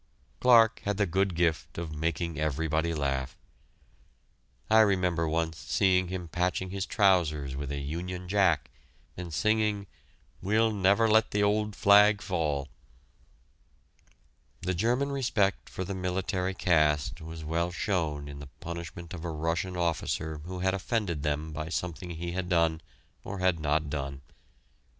Clarke had the good gift of making everybody laugh. I remember once seeing him patching his trousers with a Union Jack, and singing, "We'll never let the Old Flag fall!" The German respect for the military caste was well shown in the punishment of a Russian officer who had offended them by something he had done or had not done.